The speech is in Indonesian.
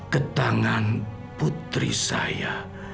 ketangan putri saya